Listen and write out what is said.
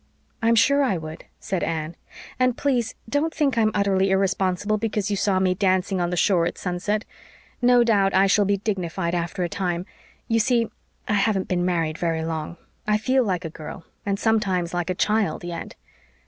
"I'm sure I would," said Anne. "And please don't think I'm utterly irresponsible because you saw me dancing on the shore at sunset. No doubt I shall be dignified after a time. You see, I haven't been married very long. I feel like a girl, and sometimes like a child, yet."